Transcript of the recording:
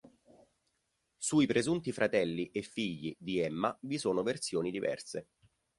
Sui presunti fratelli e figli di Emma vi sono versioni diverse.